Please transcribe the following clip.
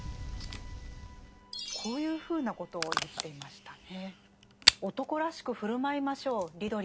こういうふうなことを言っていましたね。